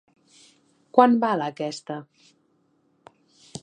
Quant val aquesta??